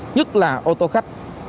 nhất là ô tô khách